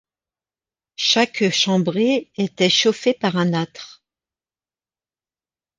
Chaque chambrée était chauffée par un âtre.